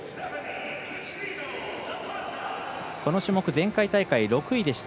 この種目、前回大会６位でした。